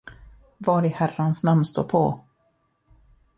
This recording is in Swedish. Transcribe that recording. Vad i herrans namn står på?